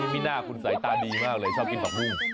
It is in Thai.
มีหน้าคุณสายตาดีมากเลยชอบกินผักบุ้ง